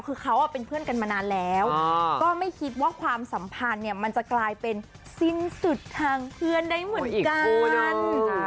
คือเขาเป็นเพื่อนกันมานานแล้วก็ไม่คิดว่าความสัมพันธ์เนี่ยมันจะกลายเป็นสิ้นสุดทางเพื่อนได้เหมือนกัน